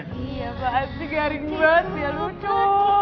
iya pak asyik garing banget ya lucu